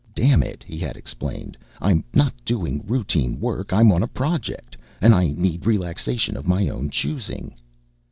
"Damn it," he had explained, "I'm not doing routine work. I'm on a Project, and I need relaxation of my own choosing."